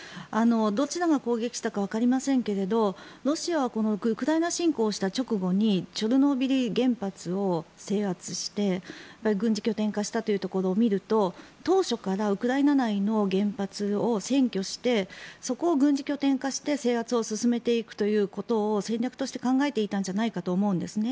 どちらが攻撃したかわかりませんけれどロシアはウクライナ侵攻した直後にチョルノービリ原発を制圧して軍事拠点化したというところを見ると当初からウクライナ内の原発を占拠してそこを軍事拠点化して制圧を進めていくということを戦略として考えていたんじゃないかと思うんです。